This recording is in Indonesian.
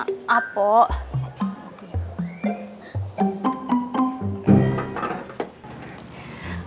masa amat kecepatan